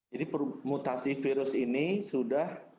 jadi mutasi virus ini sudah